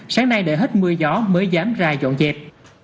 sáng nay để hết mưa gió mới dám ra dọn dẹp